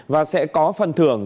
và sẽ có phần thưởng